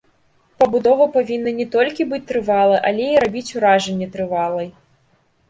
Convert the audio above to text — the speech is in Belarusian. Пабудова павінна не толькі быць трывалай, але і рабіць уражанне трывалай.